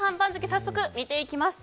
早速、見ていきます。